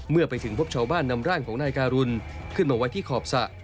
เมื่อไปถึงพบชาวบ้านนำร่างของนายการุณขึ้นมาไว้ที่ขอบสระ